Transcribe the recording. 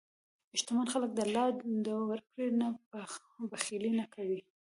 شتمن خلک د الله د ورکړې نه بخیلي نه کوي.